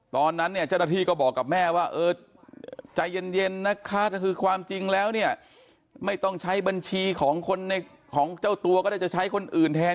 ตอนนั้นเจ้าหน้าที่ก็บอกกับแม่ว่าใจเย็นนะคะคือความจริงแล้วไม่ต้องใช้บัญชีของเจ้าตัวก็ได้ใช้คนอื่นแทน